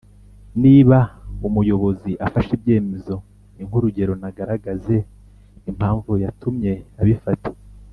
Niba umuyobozi afashe ibyemezo ni nk'urugero, nagaragaze impamvu yatumye abifata.